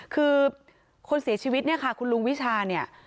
คือคนเสียชีวิตเนี่ยค่ะคุณลุงวิชาเนี่ย